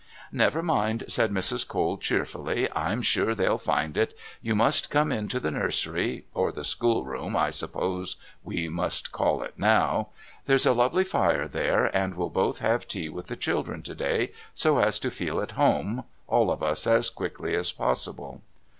"Never mind," said Mrs. Cole cheerfully, "I'm sure they'll find it. You must come up to the nursery or the schoolroom I suppose we must call it now; there's a lovely fire there, and we'll both have tea with the children to day, so as to feel at home, all of us, as quickly as possible."